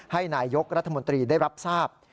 ให้นายกรัฐมนตรีได้รับทราบ